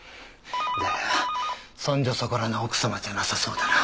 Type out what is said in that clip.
だがそんじょそこらの奥様じゃなさそうだな。